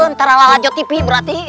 ntaralah jodhipi berarti